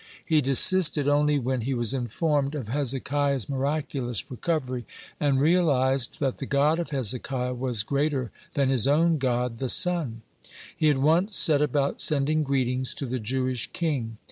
He desisted only when he was informed of Hezekiah's miraculous recovery, and realised that the God of Hezekiah was greater than his own god, the sun. (82) He at once set about sending greetings to the Jewish king.